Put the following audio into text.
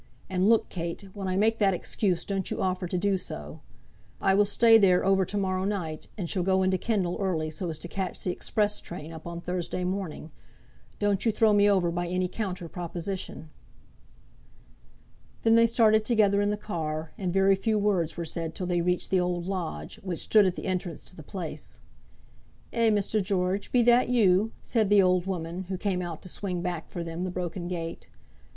And look, Kate, when I make that excuse don't you offer to do so. I will stay there over to morrow night, and shall go into Kendal early, so as to catch the express train up on Thursday morning. Don't you throw me over by any counter proposition." Then they started together in the car, and very few words were said till they reached the old lodge, which stood at the entrance to the place. "Eh, Mr. George; be that you?" said the old woman, who came out to swing back for them the broken gate.